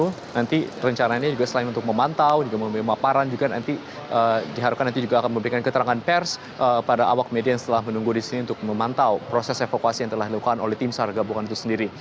nanti rencananya juga selain untuk memantau juga memberi pemaparan juga nanti diharapkan nanti juga akan memberikan keterangan pers pada awak media yang setelah menunggu di sini untuk memantau proses evakuasi yang telah dilakukan oleh tim sargabungan itu sendiri